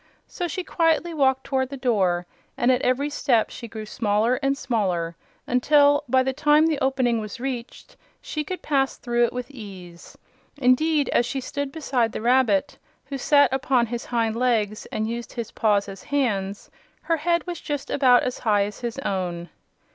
So she quietly walked toward the door, and at every step she grew smaller and smaller until, by the time the opening was reached, she could pass through it with ease. Indeed, as she stood beside the rabbit, who sat upon his hind legs and used his paws as hands, her head was just about as high as his own.